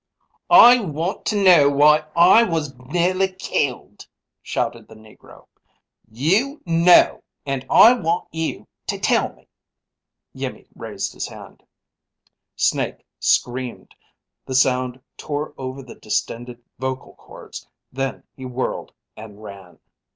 "I want to know why I was nearly killed," shouted the Negro. "You know and I want you to tell me!" Iimmi raised his hand. Snake screamed. The sound tore over the distended vocal cords. Then he whirled and ran.